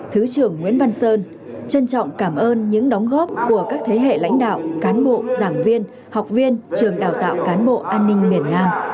thứ trưởng nguyễn văn sơn trân trọng cảm ơn những đóng góp của các thế hệ lãnh đạo cán bộ giảng viên học viên trường đào tạo cán bộ an ninh miền nam